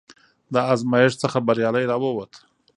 د ازمېښت څخه بریالی راووت،